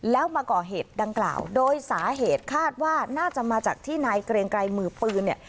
แล้วมาก่อเหตุดังกล่าวโดยสาเหตุคาดว่าน่าจะมาจากที่นายเกรงไกรมือปืนเนี่ย